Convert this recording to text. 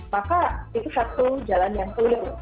maka itu satu jalan yang sulit